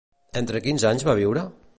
Entre quins anys va viure?